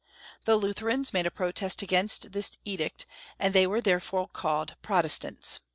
The Lutherans made a protest against this edict, and they were therefore called Protest ants.